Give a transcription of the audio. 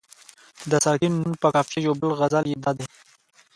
د ساکن نون په قافیه یو بل غزل یې دادی.